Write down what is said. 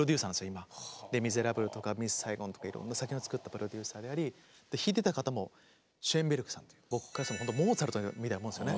今「レ・ミゼラブル」とか「ミス・サイゴン」とかいろんな作品を作ったプロデューサーであり弾いてた方もシェーンベルクさんという僕からしてもほんとモーツァルトみたいなもんですよね。